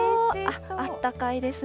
あったかいですね。